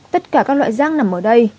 tất cả các loại rác nằm ở đây